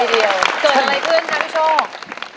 เกิดอะไรขึ้นคะพี่โชค